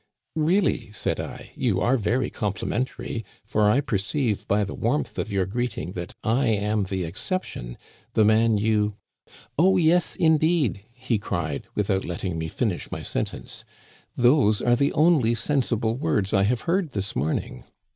" Really," said I, you are very complimentary ; for I perceive by the warmth of your greeting that I am the exception, the man you —"" Oh, yes, indeed," he cried, without letting me finish Digitized by VjOOQIC lO THE CANADIANS OF OLD, my sentence, " those are the only sensible words I have heard this morning."